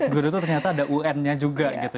guru itu ternyata ada un nya juga gitu